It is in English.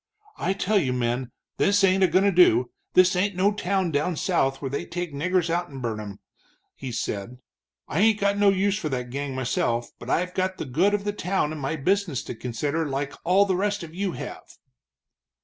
"I tell you, men, this ain't a goin' to do this ain't no town down south where they take niggers out and burn 'em," he said. "I ain't got no use for that gang, myself, but I've got the good of the town and my business to consider, like all the rest of you have."